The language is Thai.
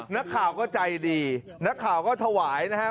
นักข่าวก็ใจดีนักข่าวก็ถวายนะครับ